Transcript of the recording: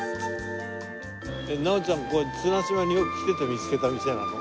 直ちゃんこれ綱島によく来てて見つけた店なの？